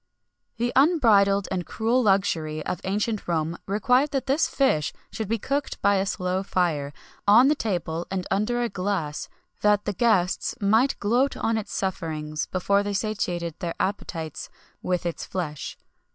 [XXI 44] The unbridled and cruel luxury of ancient Rome required that this fish should be cooked by a slow fire, on the table and under a glass, that the guests might gloat on its sufferings before they satiated their appetites with its flesh.